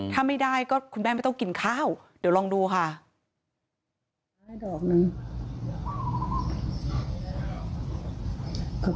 ถ้าไม่ได้ก็คุณแม่ไม่ต้องกินข้าวเดี๋ยวลองดูค่ะ